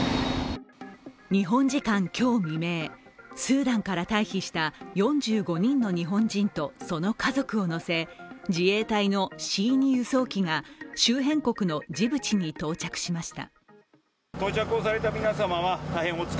日本時間今日未明、スーダンから退避した４５人の日本人とその家族を乗せ、自衛隊のＣ２輸送機が周辺国のジブチに到着しました。